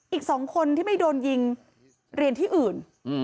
อีก๒คนที่ไม่โดนยิงเรียนที่อื่น